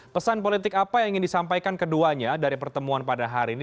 pesan politik apa yang ingin disampaikan keduanya dari pertemuan pada hari ini